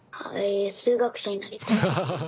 数学者になりたい。